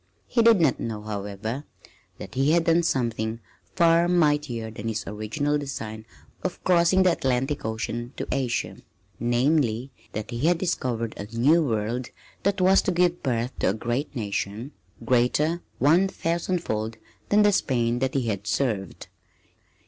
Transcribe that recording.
He did not know, however, that he had done something far mightier than his original design of crossing the Atlantic Ocean to Asia namely that he had discovered a New World that was to give birth to a great nation, greater one thousandfold than the Spain that he had served.